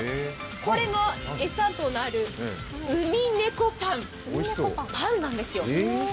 これが餌となるうみねこパン、パンなんですよ。